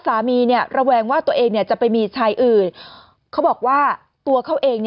สามีเนี่ยระแวงว่าตัวเองเนี่ยจะไปมีชายอื่นเขาบอกว่าตัวเขาเอง